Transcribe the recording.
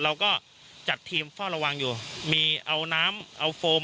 เราก็จัดทีมเฝ้าระวังอยู่มีเอาน้ำเอาโฟม